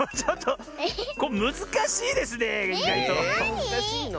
むずかしいの？